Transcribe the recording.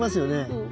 うん。